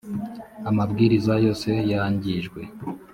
amabwiriza yose yangijwe.